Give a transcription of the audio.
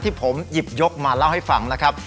ที่ผมหยิบยกมาเล่าให้ฟังนะครับ